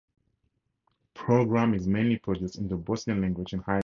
Program is mainly produced in the Bosnian language in high definition.